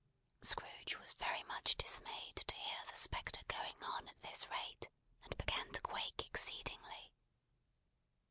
Scrooge was very much dismayed to hear the spectre going on at this rate, and began to quake exceedingly.